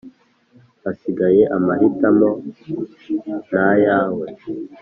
ahasigaye amahitamo na yawe